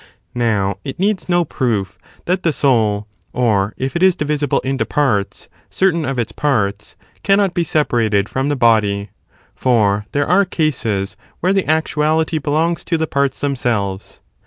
Now it needs no proof that the soul—or if it is divisible into Soul in parts, certain of its parts—cannot be separated from the separable | body, for there are cases where the actuality belongs to the parts themselves.